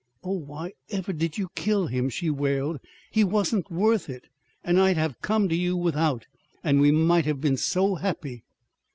"Oh, why ever did you kill him?" she wailed. "He he wasn't worth it. And I'd have come to you without. And we might have been so happy!"